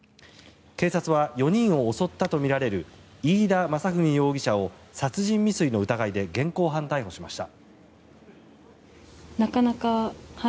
警察は４人を襲ったとみられる飯田雅史容疑者を殺人未遂の疑いで現行犯逮捕しました。